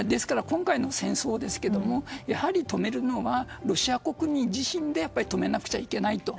今回の戦争をやはり止めるにはロシア国民自身で止めなくちゃいけないと。